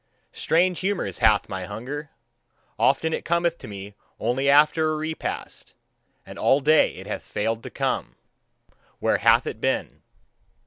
"Strange humours hath my hunger. Often it cometh to me only after a repast, and all day it hath failed to come: where hath it been?"